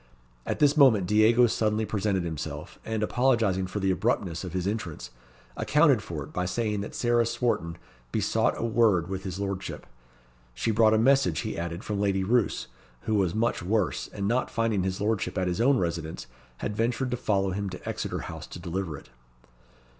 At this moment Diego suddenly presented himself, and apologizing for the abruptness of his entrance, accounted for it by saying that Sarah Swarton besought a word with his Lordship. She brought a message, he added, from Lady Roos, who was much worse, and not finding his Lordship at his own residence had ventured to follow him to Exeter House to deliver it.